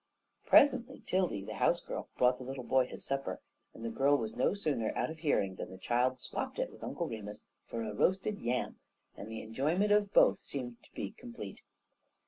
Presently 'Tildy, the house girl, brought the little boy his supper, and the girl was no sooner out of hearing than the child swapped it with Uncle Remus for a roasted yam, and the enjoyment of both seemed to be complete.